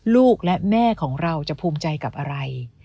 ลูกและแม่ของเราจะภูมิใจกับอะไร